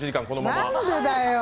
何でだよ。